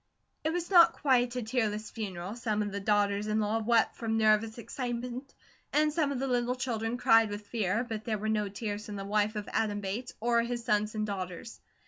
It was not quite a tearless funeral. Some of the daughters in law wept from nervous excitement; and some of the little children cried with fear, but there were no tears from the wife of Adam Bates, or his sons and daughters.